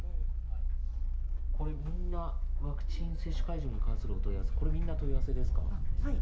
これ、みんなワクチン接種会場に関するお問い合わせ、これみんな問い合わせですか？